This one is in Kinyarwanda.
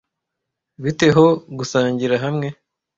Bite ho gusangira hamwe?